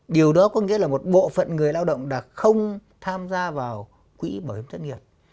điều đó có nghĩa là một bộ phận người lao động đã không tham gia vào quỹ bảo hiểm thất nghiệp